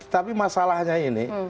tapi masalahnya ini